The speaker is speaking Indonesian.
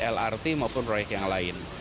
baik mrt maupun proyek yang lain